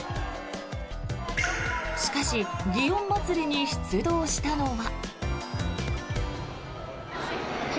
しかし祇園祭に出動したのは。